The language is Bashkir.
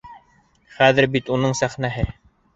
Хәҙер бит уның сәхнәһе!